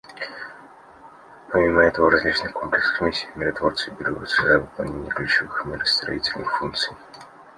Помимо этого, в различных комплексных миссиях миротворцы берутся за выполнение ключевых миростроительных функций.